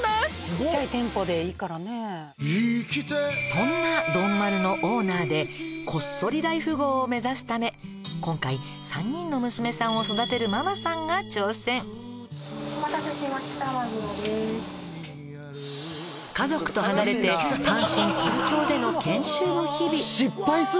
「そんな丼丸のオーナーでこっそり大富豪を目指すため今回３人の娘さんを育てるママさんが挑戦」「研修の日々」